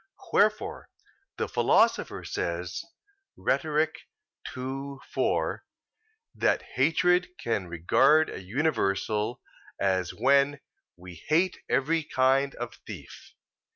Wherefore the Philosopher says (Rhetoric. ii, 4) that hatred can regard a universal, as when "we hate every kind of thief."